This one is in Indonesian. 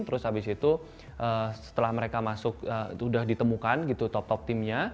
terus abis itu setelah mereka masuk udah ditemukan top top timnya